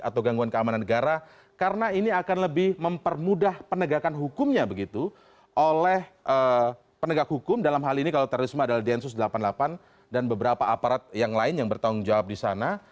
atau gangguan keamanan negara karena ini akan lebih mempermudah penegakan hukumnya begitu oleh penegak hukum dalam hal ini kalau terorisme adalah densus delapan puluh delapan dan beberapa aparat yang lain yang bertanggung jawab di sana